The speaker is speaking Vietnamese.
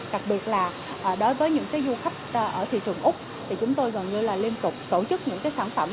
đặc biệt là đối với những du khách ở thị trường úc thì chúng tôi gần như là liên tục tổ chức những cái sản phẩm